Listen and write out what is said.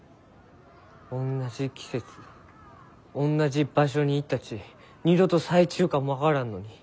おんなじ季節おんなじ場所に行ったち二度と咲いちゅうかも分からんのに。